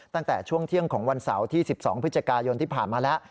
ตั้งแต่ช่วงเที่ยงของวันเสาร์ที่๑๒พฤศจิกายนที่ผ่านมาแล้ว